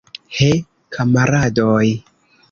He, kamaradoj!